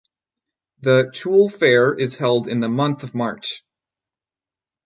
The Chul fair is held in the month of March.